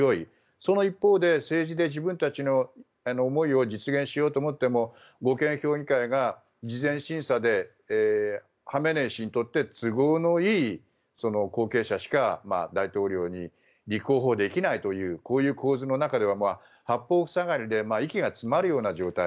その一方で政治で自分たちの思いを実現しようと思っても護憲評議会が事前審査でハメネイ師にとって都合のいい後継者しか大統領に立候補できないというこういう構図の中では八方塞がりで息が詰まるような状態。